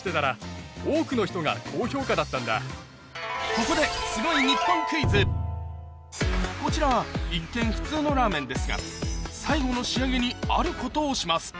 ここでこちら一見普通のラーメンですが最後の仕上げにあることをします